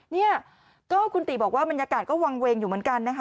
เนี่ยก็คุณติบอกว่าบรรยากาศก็วางเวงอยู่เหมือนกันนะคะ